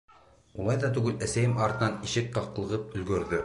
Улай ҙа түгел, әсәйем артынан ишек ҡаҡлығып өлгөрҙө.